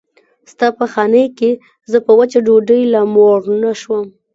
ستا په خانۍ کې زه په وچه ډوډۍ لا موړ نه شوم.